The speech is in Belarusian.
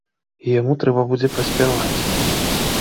І яму трэба будзе праспяваць.